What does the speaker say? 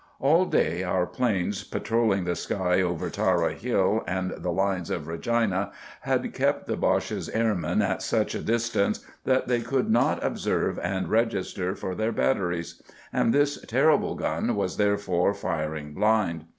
All day our 'planes, patrolling the sky over Tara Hill and the lines of Regina, had kept the Boche's airmen at such a distance that they could not observe and register for their batteries; and this terrible gun was, therefore, firing blind.